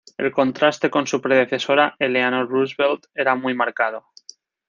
El contraste con su predecesora Eleanor Roosevelt era muy marcado.